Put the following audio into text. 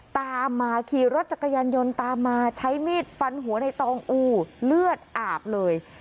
ตามมาขี่รถจักรยานยนต์ตามมาใช้มีดฟันหัวในตองอูเลือดอาบเลย